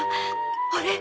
あれ？